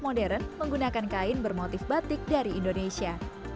modern menggunakan kain bermotif batik dari indonesia